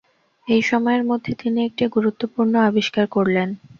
এই সময়ের মধ্যে তিনি একটি গুরুত্বপূর্ণ আবিষ্কার করলেন।